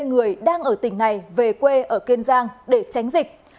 hai người đang ở tỉnh này về quê ở kiên giang để tránh dịch